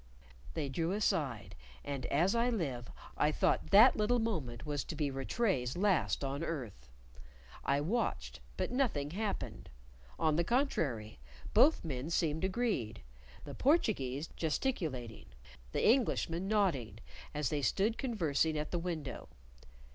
They drew aside; and, as I live, I thought that little moment was to be Rattray's last on earth. I watched, but nothing happened; on the contrary, both men seemed agreed, the Portuguese gesticulating, the Englishman nodding, as they stood conversing at the window.